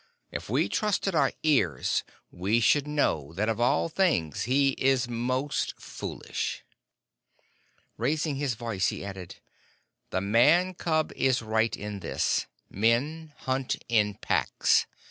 If we trusted our ears we should know that of all things he is most foolish." Raising his voice, he added, "The Man cub is right in this. Men hunt in packs.